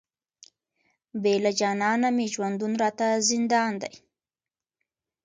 بې له جانانه مي ژوندون راته زندان دی،